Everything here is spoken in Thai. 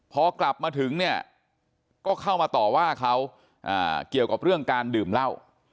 พอกลับมาถึงเนี่ยก็เข้ามาต่อว่าเขาเกี่ยวกับเรื่องการดื่มเหล้า